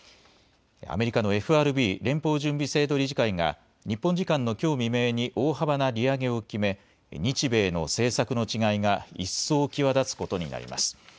アメリカのＦＲＢ・連邦準備制度理事会が日本時間のきょう未明に大幅な利上げを決め日米の政策の違いが一層際立つことになります。